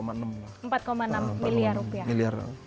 empat enam miliar rupiah